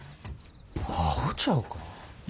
アホちゃうか？